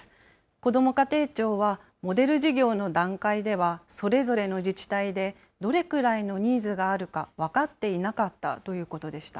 こども家庭庁はモデル事業の段階では、それぞれの自治体でどれくらいのニーズがあるか分かっていなかったということでした。